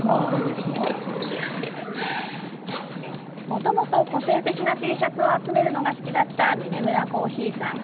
もともと個性的なＴシャツを集めるのが好きだったミネムラコーヒーさん。